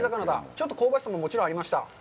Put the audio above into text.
ちょっと香ばしくももちろんありました。